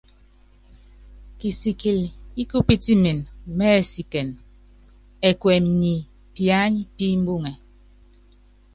Kisikɛl ki kupítimɛn mɛ́ɛsikɛn ɛkuɛm nyɛ piany pi mbuŋɛ.